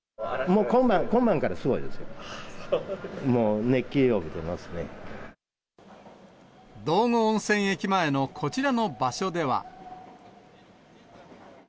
もう、道後温泉駅前のこちらの場所では。